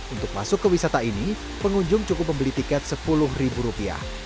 untuk masuk ke wisata ini pengunjung cukup membeli tiket sepuluh ribu rupiah